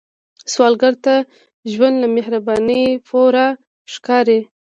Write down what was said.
سوالګر ته ژوند له مهربانۍ پوره ښکاري